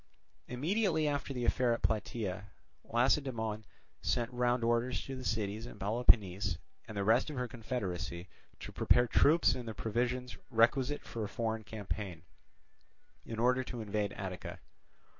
Immediately after the affair at Plataea, Lacedaemon sent round orders to the cities in Peloponnese and the rest of her confederacy to prepare troops and the provisions requisite for a foreign campaign, in order to invade Attica.